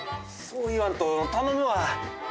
そう言わんと頼むわ。